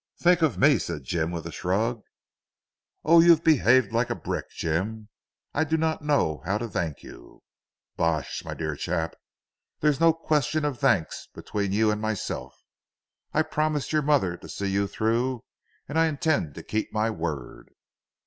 "Think of me," said Jim with a shrug. "Oh, you have behaved like a brick Jim. I do not know how to thank you." "Bosh my dear chap. There is no question of thanks between you and myself. I promised your mother to see you through, and I intend to keep my word."